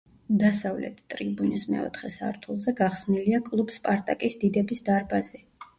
დასავლეთ ტრიბუნის მეოთხე სართულზე გახსნილია კლუბ „სპარტაკის“ დიდების დარბაზი.